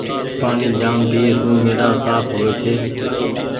پآڻيٚ جآم پيئي سون ميدآ سآڦ هووي ڇي۔